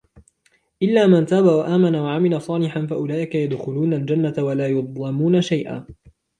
إِلَّا مَنْ تَابَ وَآمَنَ وَعَمِلَ صَالِحًا فَأُولَئِكَ يَدْخُلُونَ الْجَنَّةَ وَلَا يُظْلَمُونَ شَيْئًا